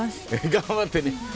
頑張ってね。